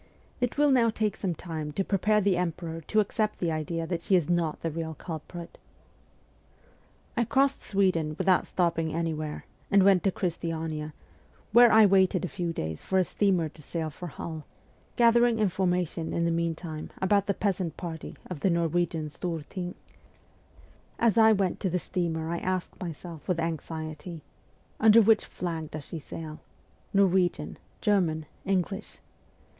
It will now take some time to prepare the emperor to accept the idea that she is not the real culprit.' I crossed Sweden without stopping anywhere, and went to Christiania, where I waited a few days for a steamer to sail for Hull, gathering information in the meantime about the peasant party of the Norwegian N 2 180 MEMOIRS OF A REVOLUTIONIST Storthing. As I went to the steamer I asked myself with anxiety, ' Under which flag does she sail ^ Norwegian, German, English